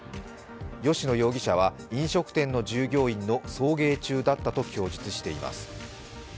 吉野容疑者は、飲食店の従業員の送迎中だったと供述しています。